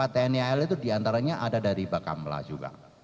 tni al itu diantaranya ada dari bakamla juga